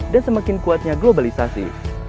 dan semakin kuatnya globalisasi